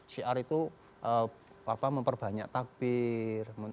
syiar itu memperbanyak takbir